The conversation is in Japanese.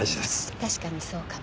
確かにそうかも。